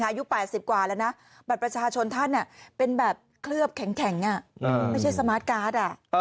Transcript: อายุ๘๐กว่าแล้วนะบัตรประชาชนท่านเป็นแบบเคลือบแข็งไม่ใช่สมาร์ทการ์ด